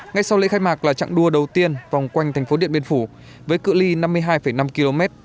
ngay sau lễ khai mạc là trạng đua đầu tiên vòng quanh tp hcm với cự li năm mươi hai năm km